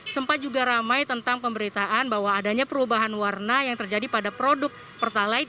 sempat juga ramai tentang pemberitaan bahwa adanya perubahan warna yang terjadi pada produk pertalite